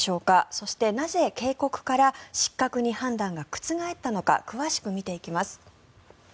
そしてなぜ警告から失格に判断が覆ったのか詳しく見ていきます。